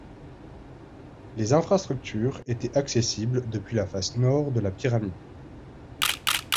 Les infrastructures étaient accessibles depuis la face nord de la pyramide.